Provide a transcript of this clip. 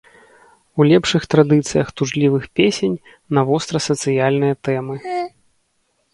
У лепшых традыцыях тужлівых песень на востра-сацыяльныя тэмы.